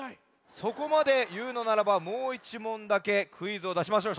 そこまでいうのならばもう１もんだけクイズをだしましょう。